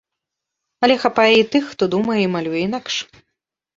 Але хапае і тых, хто думае і малюе інакш.